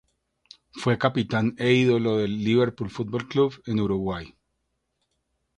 Fue capitán e ídolo del Liverpool Fútbol Club de Uruguay.